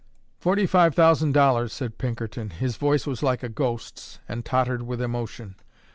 "Forty five thousand dollars," said Pinkerton: his voice was like a ghost's and tottered with emotion.